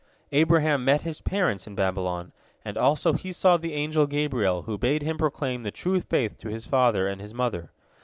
Abraham met his parents in Babylon, and also he saw the angel Gabriel, who bade him proclaim the true faith to his father and his mother.